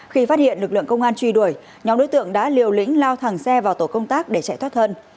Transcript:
khi phát hiện lực lượng công an truy đuổi nhóm đối tượng đã liều lĩnh lao thẳng xe vào tổ công tác để chạy thoát thân